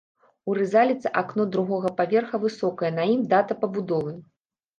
У рызаліце акно другога паверха высокае, на ім дата пабудовы.